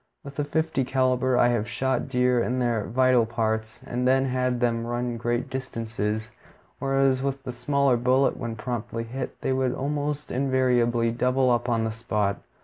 With a fifty caliber I have shot deer in their vital parts and then had them run great distances, whereas with the smaller bullet, when properly hit, they would almost invariably double up on the spot.